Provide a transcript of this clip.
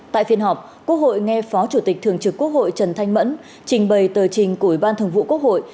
tại phiên họp quốc hội nghe phó chủ tịch thường trực quốc hội trần thanh mẫn trình bày tờ trình của ủy ban thường vụ quốc hội